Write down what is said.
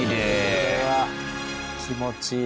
これは気持ちいい。